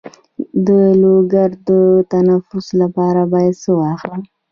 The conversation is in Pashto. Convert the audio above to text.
د لوګي د تنفس لپاره باید څه واخلم؟